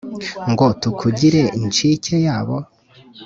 ngo tukugire inshike yabo?